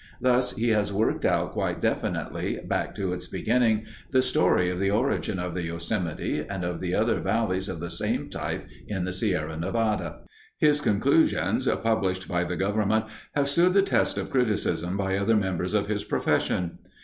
Thus he has worked out quite definitely, back to its beginning, the story of the origin of the Yosemite and of the other valleys of the same type in the Sierra Nevada. His conclusions, published by the government, have stood the test of criticism by other members of his profession.